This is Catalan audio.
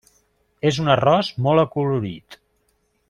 És un arròs molt acolorit.